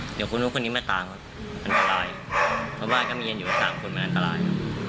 เดี๋ยวคนนู้นคนนี้มาตามครับอันตรายเพราะว่าก็มีกันอยู่สามคนมันอันตราย